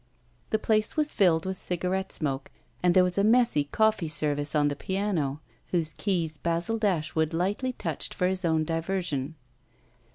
The place was filled with cigarette smoke and there was a messy coffee service on the piano, whose keys Basil Dashwood lightly touched for his own diversion.